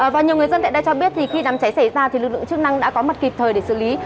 và nhiều người dân tại đây cho biết khi đám cháy xảy ra lực lượng chức năng đã có mặt kịp thời để xử lý